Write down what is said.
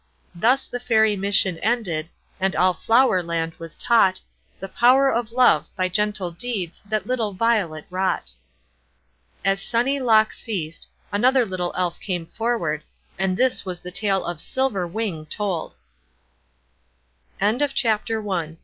Thus the Fairy mission ended, And all Flower Land was taught The "Power of Love," by gentle deeds That little Violet wrought. As Sunny Lock ceased, another little Elf came forward; and this was the tale "Silver Wing" told. EVA'S VISIT TO FAIRY LAND.